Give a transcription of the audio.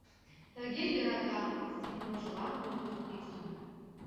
Тыге «йӧрата», ситмыжланыл, пӱртӱсым.